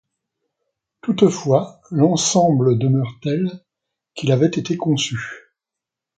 Toutefois, l'ensemble demeure tel qu'il avait été conçu.